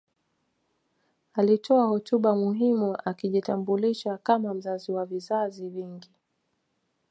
Alitoa hotuba muhimu akijitambulisha kama mzao wa vizazi vingi